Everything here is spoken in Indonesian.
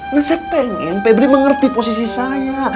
saya pengen pebri mengerti posisi saya